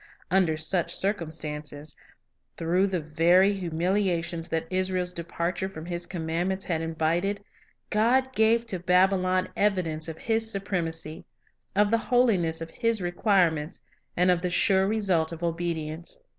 Under such circumstances, through the very humiliations that Israel's departure from His commandments had invited, God gave to Babylon evidence of His supremacy, of the holiness of His requirements, and of the sure result of obedience.